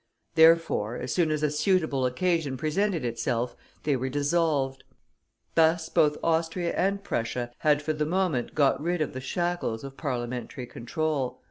Therefore, as soon as a suitable occasion presented itself, they were dissolved. Thus both Austria and Prussia had for the moment got rid of the shackles of parliamentary control.